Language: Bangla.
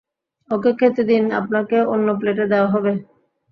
ওকে খেতে দিন, আপনাকে অন্য প্লেটে দেওয়া হবে।